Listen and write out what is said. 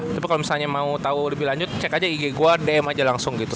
tapi kalau misalnya mau tahu lebih lanjut cek aja ig gue dm aja langsung gitu